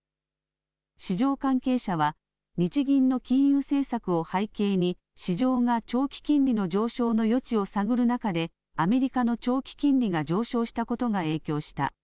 市場関係者は、日銀の金融政策を背景に、市場が長期金利の上昇の余地を探る中で、アメリカの長期金利が上昇したことが影響した。